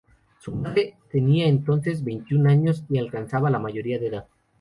Su madre tenía entonces veintiún años y alcanzaba la mayoría de edad.